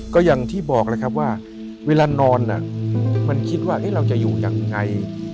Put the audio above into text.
ก็อย่างที่บอกแล้วครับว่าเวลานอนมันคิดว่าเราจะอยู่ยังไง